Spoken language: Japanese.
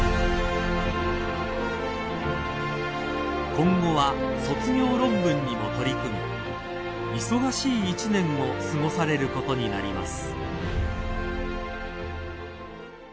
［今後は卒業論文にも取り組み忙しい一年を過ごされることになります］